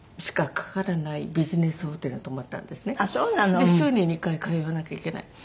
で週に２回通わなきゃいけない。